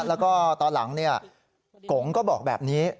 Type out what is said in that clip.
แล้วก็ตอนหลังกงก็บอกแบบนี้